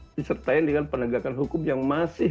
disertai dengan penegakan hukum yang masih